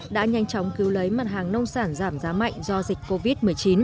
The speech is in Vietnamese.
đã nhanh chóng cứu lấy mặt hàng nông sản giảm giá mạnh do dịch covid một mươi chín